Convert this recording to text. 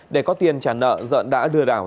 để có tiền trả nợ dợn đã lừa đảo